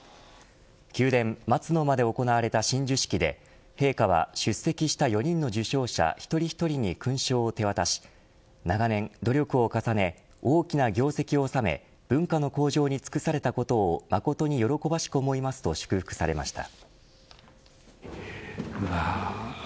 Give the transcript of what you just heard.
宮殿・松の間で行われた親授式で陛下は出席した４人の受章者に一人一人に勲章を手渡し長年努力を重ね大きな業績を収め文化の向上に尽くされたことを誠によろし喜ばしく思いますと祝福されました。